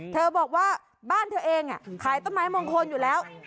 เธอบอกว่าบ้านเธอเองขายต้นไม้มงคลอยู่แล้ว